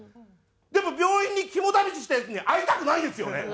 でも病院に肝試ししたヤツに会いたくないですよね？